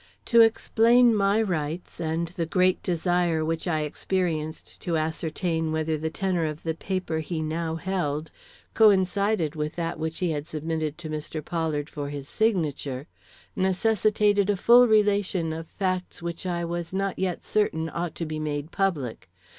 To explain my rights and the great desire which I experienced to ascertain whether the tenor of the paper he now held coincided with that which he had submitted to Mr. Pollard for his signature, necessitated a full relation of facts which I was not yet certain ought to be made public.